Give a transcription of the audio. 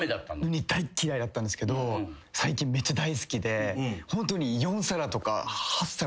ウニ大嫌いだったんですけど最近めっちゃ大好きで。